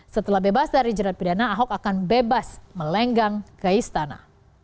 setelah bebas dari jerat pidana ahok akan bebas melenggang ke istana